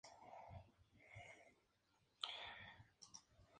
Quesada repartió tres tarjetas amarillas.